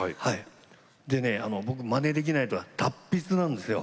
でね、僕、まねできないのは達筆なんですよ。